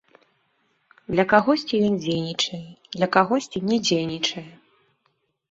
Для кагосьці ён дзейнічае, для кагосьці не дзейнічае.